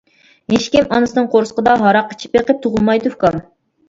-ھېچكىم ئانىسىنىڭ قورسىقىدا ھاراق ئىچىپ بېقىپ تۇغۇلمايدۇ ئۇكام.